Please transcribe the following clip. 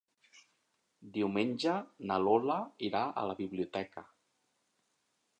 Diumenge na Lola irà a la biblioteca.